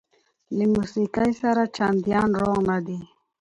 له موسقۍ سره چنديان روغ نه دي